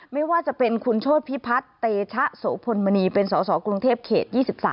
ไม่ว่าจะเป็นคุณโชธพิพัฒน์เตชะโสพลมณีเป็นสสกรุงเทพเขต๒๓